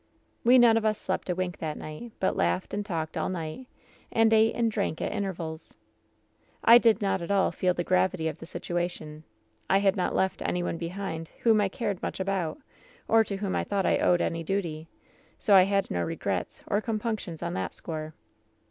"We none of us slept a wink that night, but laughed and talked all night, and ate and drank at intervals. "I did not at all feel the gravity of the situation. I had not left any one behind whom I cared much about, or to whom I thought I owed any duty. So, I had no regrets or compunctions on that score.